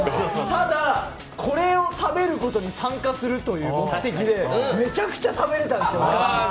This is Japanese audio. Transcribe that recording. ただ、これを食べることに参加するという目的でめちゃくちゃ食べれたんですよお菓子！